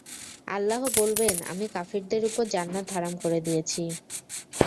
আল্লাহ বলবেন, আমি কাফিরদের উপর জান্নাত হারাম করে দিয়েছি।